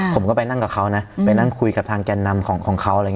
ผมก็ไปนั่งกับเขานั่งคุยกับทางแกนนำของเขา